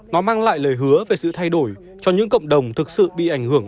nó mang lại lời hứa về sự thay đổi cho những cộng đồng thực sự bị ảnh hưởng